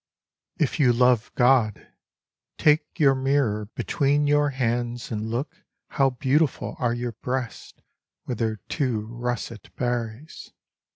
IF you love God, take your mirror between your hands and look How beautiful are your breasts with their two russet berries.